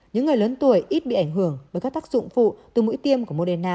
những người lớn tuổi ít bị ảnh hưởng bởi các tác dụng phụ từ mũi tiêm của moderna